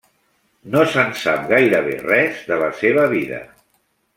No se'n sap gairebé res de la seva vida.